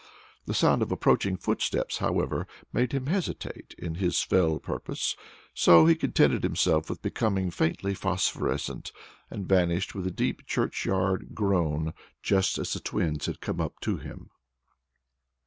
The sound of approaching footsteps, however, made him hesitate in his fell purpose, so he contented himself with becoming faintly phosphorescent, and vanished with a deep churchyard groan, just as the twins had come up to him.